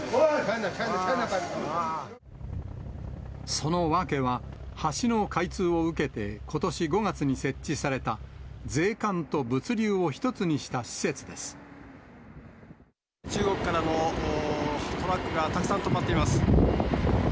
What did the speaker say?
その訳は、橋の開通を受けて、ことし５月に設置された、中国からのトラックがたくさん止まっています。